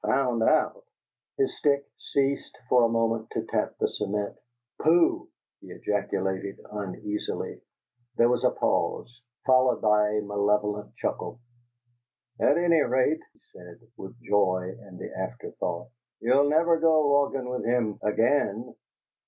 "Found out!" His stick ceased for a moment to tap the cement. "Pooh!" he ejaculated, uneasily. There was a pause, followed by a malevolent chuckle. "At any rate," he said, with joy in the afterthought, "you'll never go walkin' with him AGAIN!"